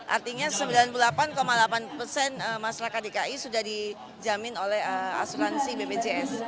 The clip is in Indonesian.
artinya sembilan puluh delapan delapan persen masyarakat dki sudah dijamin oleh asuransi bpjs